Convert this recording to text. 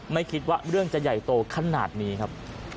ไม่คิดว่าเรื่องจะใหญ่โตขนาดนี้ครับ